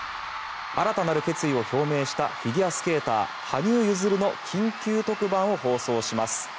新たなる決意を表明したフィギュアスケーター羽生結弦の緊急特番を放送します。